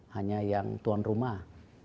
hanya yang tuan rumah